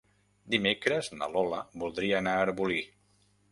Dimecres na Lola voldria anar a Arbolí.